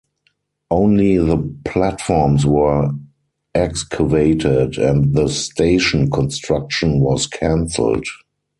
Only the platforms were excavated, and the station construction was cancelled.